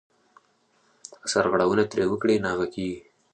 که سرغړونه ترې وکړې ناغه کېږې .